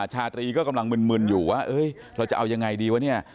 ชาตรีก็กำลังมึนอยู่ว่าเราจะเอายังไงดีวะเนี่ย